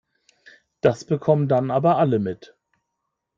Das bekommen dann aber alle mit.